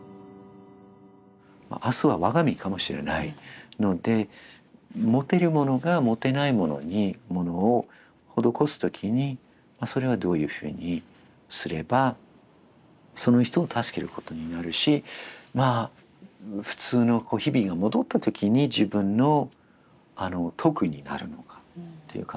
明日は我が身かもしれないので持てる者が持てない者にものを施す時にそれはどういうふうにすればその人を助けることになるしまあ普通の日々が戻った時に自分の徳になるのかというか。